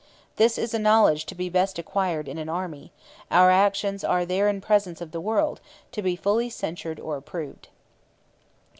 This is a knowledge to be best acquired in an army; our actions are there in presence of the world, to be fully censured or approved.'